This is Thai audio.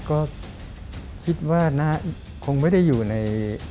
ก็คิดว่าคงไม่ได้อยู่ใน